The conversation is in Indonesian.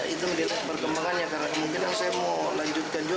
itu berkembangannya karena mungkin saya mau lanjutkan juga